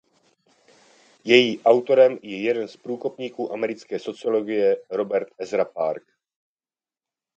Její autorem je jeden z průkopníků americké sociologie Robert Ezra Park.